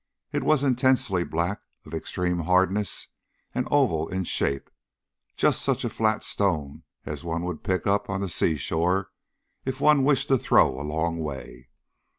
It was intensely black, of extreme hardness, and oval in shape just such a flat stone as one would pick up on the seashore if one wished to throw a long way.